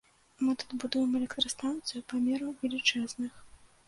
Мы тут будуем электрастанцыю памераў велічэзных.